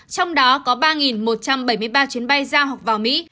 trong đó có ba một trăm bảy mươi ba chuyến bay giao vào mỹ